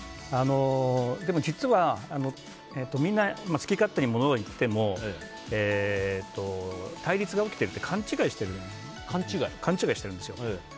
実は、みんな好き勝手にものを言っても対立が起きていると勘違いしているんですよ。